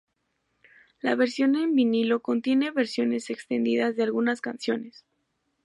La versión en vinilo contiene versiones extendidas de algunas canciones.